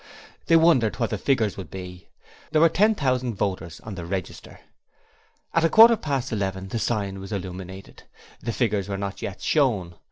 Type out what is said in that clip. They wondered what the figures would be. There were ten thousand voters on the register. At a quarter past eleven the sign was illuminated, but the figures were not yet shown.